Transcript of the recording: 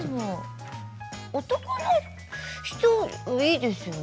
男の人いいですよね。